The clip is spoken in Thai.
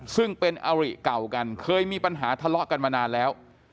ซึ่งเป็นอริเก่ากันเคยมีปัญหาทะเลาะกันมานานแล้ว